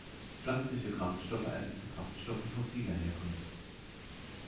Pflanzliche Kraftstoffe ersetzen Kraftstoffe fossiler Herkunft.